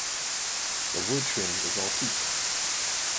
The wood trim is all teak.